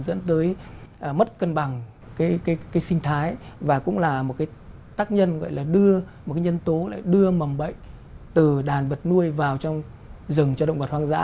dẫn tới mất cân bằng cái sinh thái và cũng là một cái tác nhân gọi là đưa một cái nhân tố lại đưa mầm bệnh từ đàn vật nuôi vào trong rừng cho động vật hoang dã